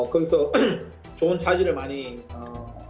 kegiatan saya terhadap kemahiran saya